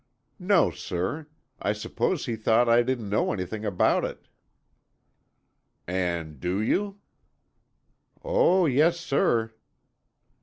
"No, sir. I suppose he thought I didn't know anything about it." "And do you?" "Oh, yes, sir."